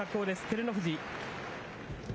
照ノ富士。